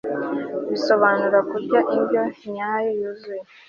bisobanura kurya indyo nyayo yuzuye